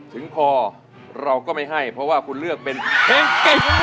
ถึงพอเราก็ไม่ให้เพราะว่าคุณเลือกเป็นเพลงเก่งของคุณ